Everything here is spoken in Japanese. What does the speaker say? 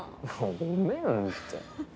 ごめんって。